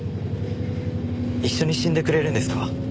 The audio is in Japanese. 一緒に死んでくれるんですか？